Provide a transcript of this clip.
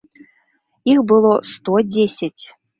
Іх было сто дзесяць!